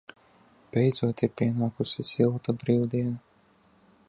Beidzot ir pienākusi silta brīvdiena.